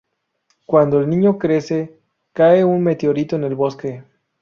Cuando el niño crece cae un meteorito en el bosque.